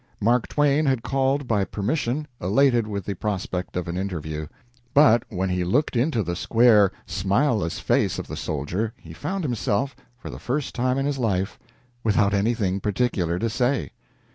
Mark Twain had called by permission, elated with the prospect of an interview. But when he looked into the square, smileless face of the soldier he found himself, for the first time in his life, without anything particular to say.